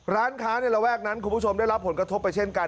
ร้านค้าในระแวกนั้นคุณผู้ชมได้รับผลกระทบไปเช่นกัน